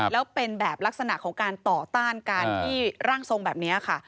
แล้วเป็นแบบลักษณะของการต่อต้านการที่ร่างทรงแบบนี้ค่ะ